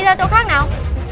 đi ra chỗ khác nào